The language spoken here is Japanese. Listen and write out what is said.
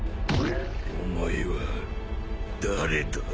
お前は誰だ？